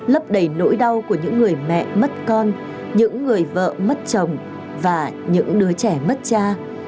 lấp đầy nỗi đau của những người mẹ mất con những người vợ mất chồng và những đứa trẻ mất cha